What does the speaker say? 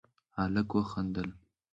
هلک وخندل: